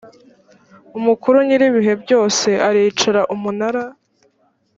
umukuru nyir ibihe byose aricara umunara